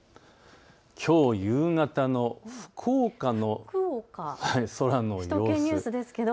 きょう夕方の福岡の空の様子。